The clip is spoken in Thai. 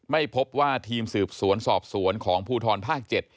ไม่พบว่าทีมสืบสวนสอบสวนของภูทรภาค๗